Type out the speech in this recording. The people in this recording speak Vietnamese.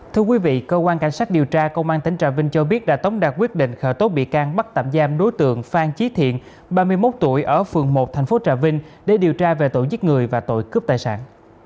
thưa quý vị cơ quan cảnh sát điều tra công an tỉnh trà vinh cho biết đã tống đạt quyết định khởi tố bị can bắt tạm giam đối tượng phan trí thiện ba mươi một tuổi ở phường một thành phố trà vinh để điều tra về tội giết người và tội cướp tài sản